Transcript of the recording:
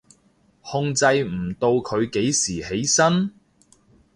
控制唔到佢幾時起身？